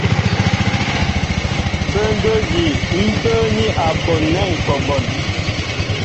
Pə́ndə́ ígí ḿ pə́ə́ní a bon nɛ́ ŋ̀ kɔ a bon.